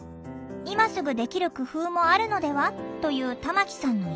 「今すぐできる工夫もあるのでは？」という玉木さんの意見。